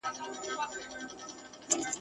نور پردی ورڅخه وس له ژونده موړ دی ..